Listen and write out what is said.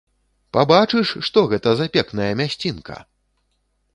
Пабачыш, што гэта за пекная мясцінка!